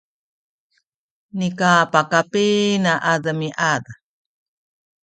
nika pakapina a demiad